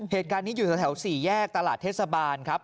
เหตุการณ์นี้อยู่แถว๔แยกตลาดเทศบาลครับ